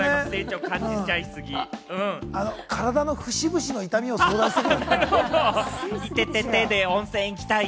体の節々の痛みを感じてる。